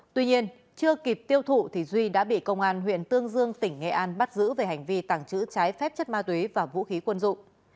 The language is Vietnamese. tuy nhiên chưa kịp tiêu thụ duy đã bị công an huyện tương dương tỉnh nghệ an bắt giữ về hành vi tàng trữ trái phép chất ma túy và vũ khí quân dụng